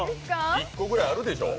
１個ぐらいあるでしょう。